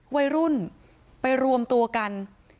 วัยรุ่นไปรวมตัวกัน